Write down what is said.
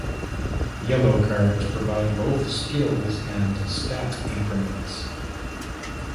Yellow cards provide both skills and stat increments.